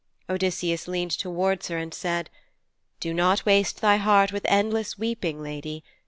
Odysseus leaned towards her, and said, 6 Do not waste thy heart with endless weeping, lady.